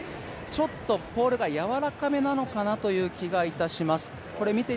ちょっとポールがやわらかめなのかなという気がします。